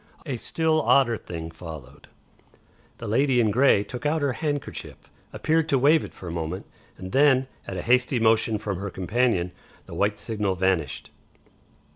A still odder thing followed; the lady in grey took out her handkerchief, appeared to wave it for a moment, and then at a hasty motion from her companion the white signal vanished.